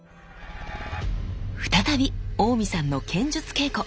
再び大見さんの剣術稽古。